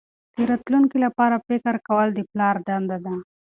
د راتلونکي لپاره فکر کول د پلار دنده ده.